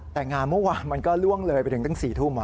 แต่งานเมื่อวานมันก็ล่วงเลยไปถึงตั้ง๔ทุ่ม